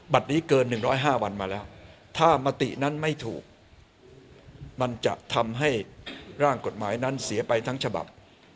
นี้เกิน๑๐๕วันมาแล้วถ้ามตินั้นไม่ถูกมันจะทำให้ร่างกฎหมายนั้นเสียไปทั้งฉบับ